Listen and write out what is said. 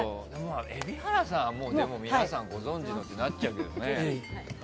蛯原さんは皆さんご存じのってなっちゃうけどね。